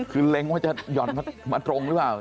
คือเล็งว่าจะหย่อนมาตรงหรือเปล่า